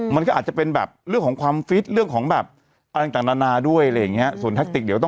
มันก็อาจจะเป็นแบบเรื่องของความฟิต